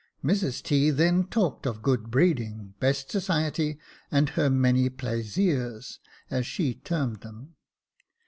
Mrs T. then talked of good breeding, best society, and her many plaisers, as she termed them.